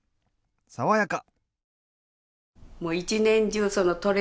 爽やか！